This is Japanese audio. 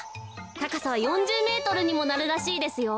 たかさは４０メートルにもなるらしいですよ。